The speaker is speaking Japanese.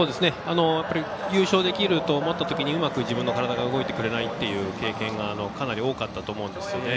優勝できると思ったときにうまく自分の体が動いてくれないという経験がかなり多かったと思うんですよね。